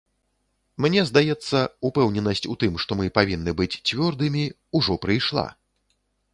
Мне здаецца, упэўненасць у тым, што мы павінны быць цвёрдымі, ужо прыйшла.